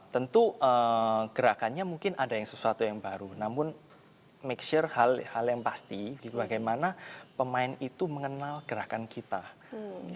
tentu gerakannya mungkin ada yang sesuatu yang baru namun make sure hal yang pasti bagaimana pemain itu mengenal gerakan kita